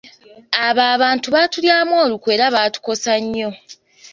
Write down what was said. Abo abantu baatulyamu olukwe era baatukosa nnyo.